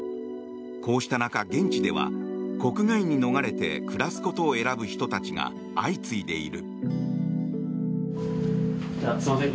こうした中、現地では国外に逃れて暮らすことを選ぶ人たちが相次いでいる。